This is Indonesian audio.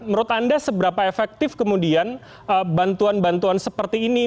menurut anda seberapa efektif kemudian bantuan bantuan seperti ini